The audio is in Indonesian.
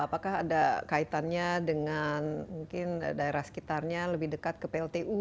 apakah ada kaitannya dengan mungkin daerah sekitarnya lebih dekat ke pltu